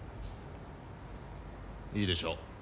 いいでしょう。